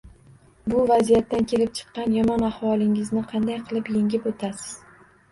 Bu vaziyatdan kelib chiqqan yomon ahvolingizni qanday qilib yengib o’tasiz